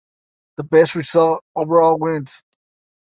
The best result overall wins.